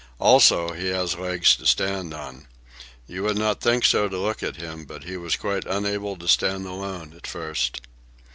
Also, he has legs to stand on. You would not think so to look at him, but he was quite unable to stand alone at first."